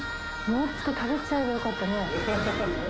もっと食べちゃえばよかったね。